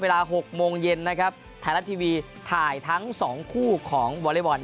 เวลา๖โมงเย็นนะครับแถลท์ทีวีถ่ายทั้ง๒คู่ของบอเรย์บอร์ด